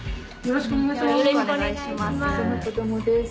よろしくお願いします。